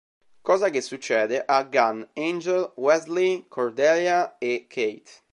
Cosa che succede a Gunn, Angel, Wesley, Cordelia e Kate.